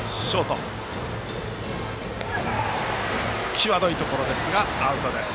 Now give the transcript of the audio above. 際どいところですがアウトです。